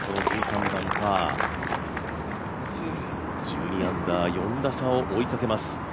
１２アンダー、４打差を追いかけます。